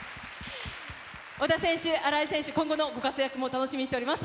小田選手、荒井選手、今後のご活躍も楽しみにしております。